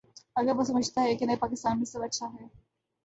اگر وہ سمجھتا ہے کہ نئے پاکستان میں سب اچھا ہے۔